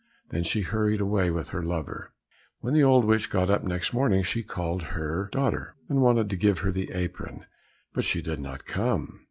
Then she hurried away with her lover. When the old witch got up next morning, she called her daughter, and wanted to give her the apron, but she did not come.